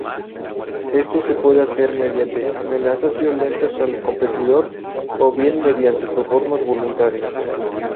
Esto se puede hacer mediante amenazas violentas al competidor, o bien mediante sobornos voluntarios.